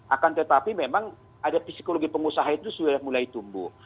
akan tetapi memang ada psikologi pengusaha itu sudah mulai tumbuh